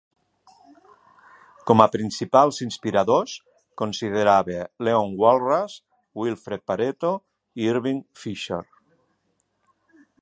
Com a principals inspiradors, considerava Leon Walras, Wilfredo Pareto i Irving Fisher.